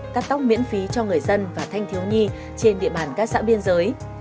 cắt tóc miễn phí cho người dân và thanh thiếu nhi trên địa bàn các xã biên giới